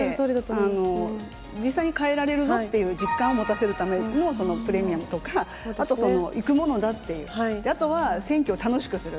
実際に変えられるぞっていう実感を持たせるためにも、プレミアムとか、あと、行くものだって、あとは選挙を楽しくする。